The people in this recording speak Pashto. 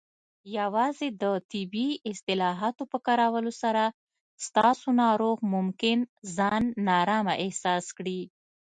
یوازې د طبي اصطلاحاتو په کارولو سره، ستاسو ناروغ ممکن ځان نارامه احساس کړي.